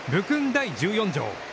第１４条。